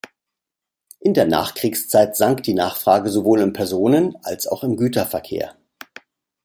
In der Nachkriegszeit sank die Nachfrage sowohl im Personen- als auch im Güterverkehr.